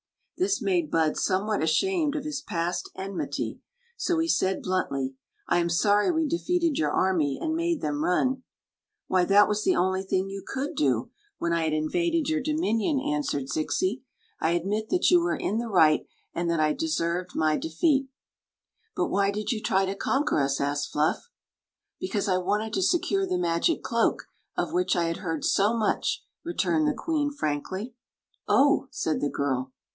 This made Bud somewhat ashamed of his past en mity; so he said blundy: I am sorry wc d^eated your army and made them run." "Why, that was the only thing you could do, when 1 t 5 C r s i V ;r d b IS 1 d Story of the Magic Cloak I had invaded your dominion," answered Zixi. " I admit that you were in the right, and that I deserved my defeat" " But why did you try to conquer us? a^ed Fluff " Because I wanted to secure the magic cloak, of which I had heard so much," returned the queen, frankly. "Oh!" said the girl.